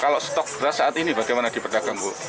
kalau stok beras saat ini bagaimana di perdagang bu